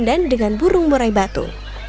kepala sundan dengan burung murai batu